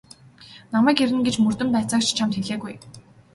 Намайг ирнэ гэж мөрдөн байцаагч чамд хэлээгүй.